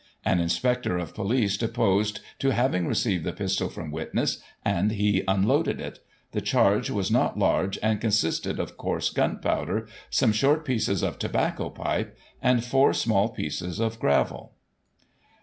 An Inspector of Police deposed to having re ceived the pistol from witness, and he unloaded it ; the charge was not large, and consisted of coarse gunpowder, some short pieces of tobacco pipe, and four small pieces of gravel.